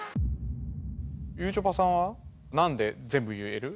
ゆちょぱさんはなんで全部言える？